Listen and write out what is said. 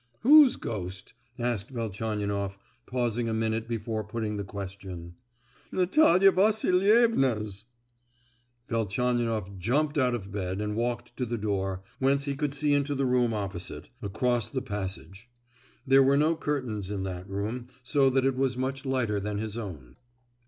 "Whose ghost?" asked Velchaninoff, pausing a minute before putting the question. "Natalia Vasilievna's!" Velchaninoff jumped out of bed and walked to the door, whence he could see into the room opposite, across the passage. There were no curtains in that room, so that it was much lighter than his own.